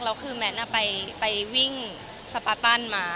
แล้วแมทไปวิ่งสปะตันห์มา